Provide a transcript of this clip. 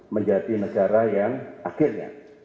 menjadi negara yang akhirnya